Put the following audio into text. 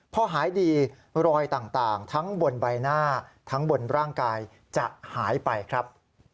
พอหายดีรอยต่างทั้งบนใบหน้าทั้งบนร่างกายจะหายไปครับ